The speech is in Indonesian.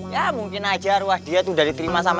ya mungkin aja ruas dia udah diterima sama